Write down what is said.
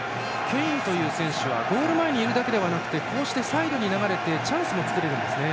ケインという選手はゴール前にいるだけでなくこうしてサイドに流れてチャンスも作れるんですね。